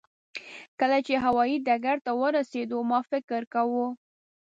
کله چې هوایي ډګر ته ورسېدو ما فکر کاوه.